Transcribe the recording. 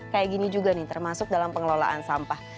kayak gini juga nih termasuk dalam pengelolaan sampah